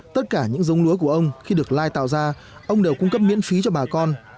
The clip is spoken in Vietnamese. tất cả những giống lúa của ông khi được lai tạo ra ông đều cung cấp miễn phí cho bà con